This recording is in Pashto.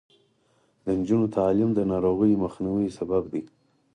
د نجونو تعلیم د ناروغیو مخنیوي سبب دی.